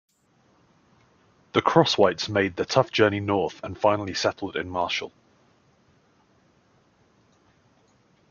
The Crosswhites made the tough journey north and finally settled in Marshall.